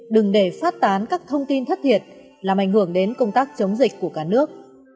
đừng để phát tán các thông tin thất thiệt làm ảnh hưởng đến công tác chống dịch của cả nước